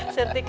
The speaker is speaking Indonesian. surti aja ya